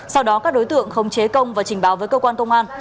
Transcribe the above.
sau đó các đối tượng khống chế công và trình báo với cơ quan công an